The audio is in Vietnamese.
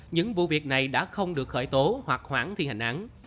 những vụ việc này đã không được khởi tố hoặc khoản thi hành án